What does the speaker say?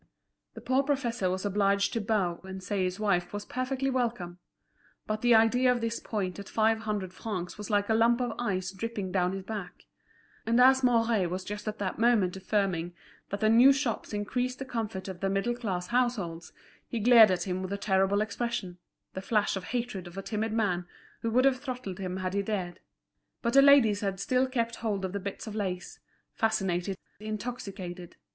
The poor professor was obliged to bow and say his wife was perfectly welcome. But the idea of this point at five hundred francs was like a lump of ice dripping down his back; and as Mouret was just at that moment affirming that the new shops increased the comfort of the middle class households, he glared at him with a terrible expression, the flash of hatred of a timid man who would have throttled him had he dared. But the ladies had still kept hold of the bits of lace, fascinated, intoxicated.